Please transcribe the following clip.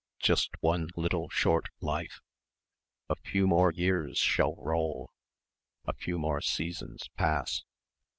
Just one little short life.... "A few more years shall roll ... A few more seasons pass...."